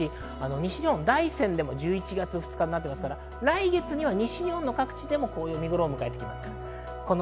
西日本・大山でも１１月２日になっていますから来月には西日本各地でも紅葉見頃を迎えます。